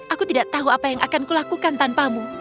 aku tidak tahu apa yang akan kulakukan tanpamu